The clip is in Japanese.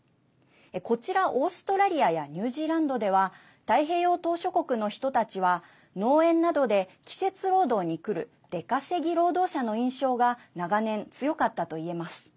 こちら、オーストラリアやニュージーランドでは太平洋島しょ国の人たちは農園などで、季節労働に来る出稼ぎ労働者の印象が長年、強かったといえます。